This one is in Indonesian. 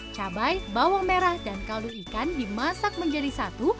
cabai bawang merah dan kaldu ikan dimasak menjadi satu